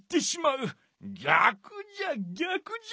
ぎゃくじゃぎゃくじゃ！